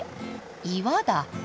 岩だ。